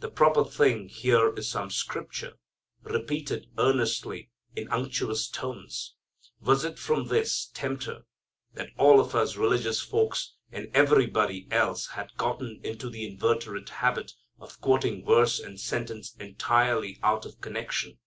The proper thing here is some scripture, repeated earnestly in unctuous tones. Was it from this tempter that all of us religious folks and everybody else have gotten into the inveterate habit of quoting verse and sentence entirely out of connection?